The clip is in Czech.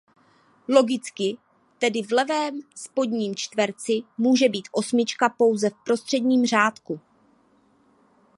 Logicky tedy v levém spodním čtverci může být osmička pouze v prostředním řádku.